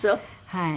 はい。